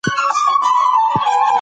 هغه د بې وزلو خلکو خبره وکړه.